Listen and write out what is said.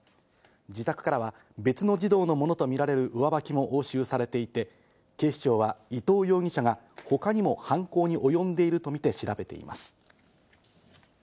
自宅からは別の児童のものとみられる上履きも押収されていて、警視庁は伊藤容疑者が他にも犯行におよんでいるとみて調べています。